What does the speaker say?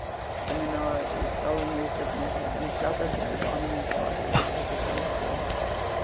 The minority sullenly submitted, and suffered the predominant party to take its own course.